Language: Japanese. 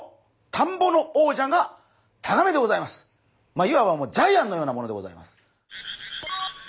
まあいわばジャイアンのようなものでございます。